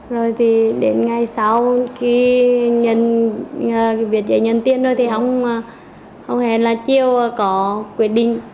rồi thì đến ngày sáu khi việc dạy nhân tiên rồi thì ông không hề là chiêu có quyết định